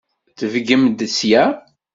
Ṭebbgemt sya!